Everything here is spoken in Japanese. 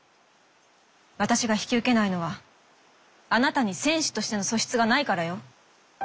私が引き受けないのはあなたに選手としての素質がないからよ。